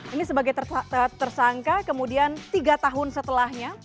ini sebagai tersangka kemudian tiga tahun setelahnya